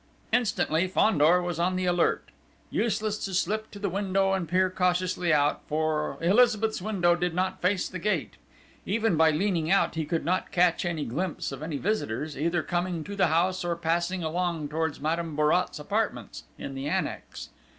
Instantly Fandor was on the alert. Useless to slip to the window and peer cautiously out, for Elizabeth's window did not face the gate: even by leaning out he could not catch any glimpse of any visitors, either coming to the house or passing along towards Madame Bourrat's apartments in the annex....